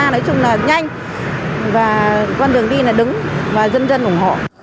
nói chung là nhanh và con đường đi là đứng và dân dân ủng hộ